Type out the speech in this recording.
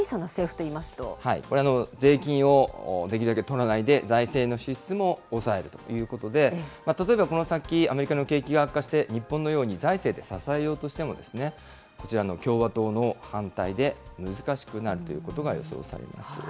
これ、税金をできるだけ取らないで、財政の支出も抑えるということで、例えばこの先、アメリカの景気が悪化して、日本のように財政で支えようとしても、こちらの共和党の反対で難しくなるということが予想されます。